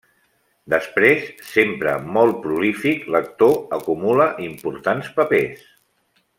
Després, sempre molt prolífic, l'actor acumula importants papers.